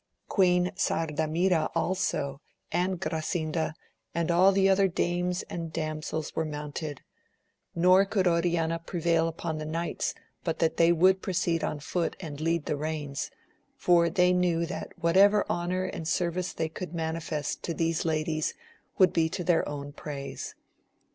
Queen Sardamira also, and Gra sinda, and all the other dames and damsels were mounted ; nor could Oriana prevail upon the knights but that they would proceed on foot and lead the reins, for they knew that whatever honour and service they could manifest to these ladies would be to their own praise.